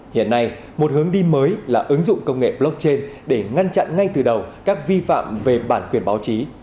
hiện nay một hướng đi mới là ứng dụng công nghệ blockchain để ngăn chặn ngay từ đầu các vi phạm về bản quyền báo chí